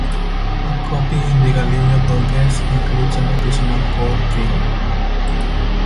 A copy in the Galleria Borghese includes an additional fourth figure.